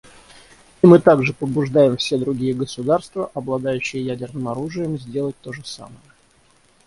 И мы также побуждаем все другие государства, обладающие ядерным оружием, сделать то же самое.